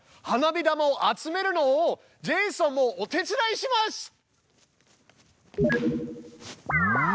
花火玉を集めるのをジェイソンもお手伝いします！